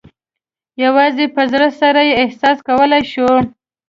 یوازې په زړه سره یې احساس کولای شو.